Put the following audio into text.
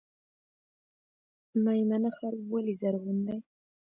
میمنه ښار ولې زرغون دی؟